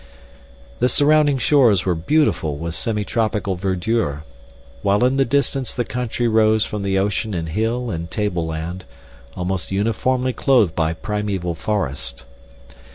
The surrounding shores were beautiful with semitropical verdure, while in the distance the country rose from the ocean in hill and tableland, almost uniformly clothed by primeval forest.